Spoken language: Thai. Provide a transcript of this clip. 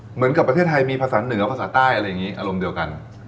เหมือนประเทศไทยมีภาษาเนื้อผ่าสั่นใต้อะไรแบบนี้อารมณ์เดียวกัน